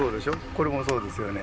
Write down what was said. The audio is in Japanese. これもそうですよね。